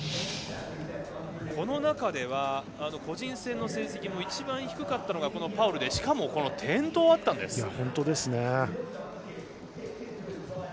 この中では個人戦の成績も一番低かったのはパウルでしかも転倒があったんです。